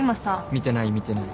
見てない見てない。